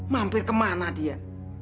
mampir kemana dia